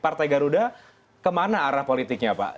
partai garuda ke mana arah politiknya pak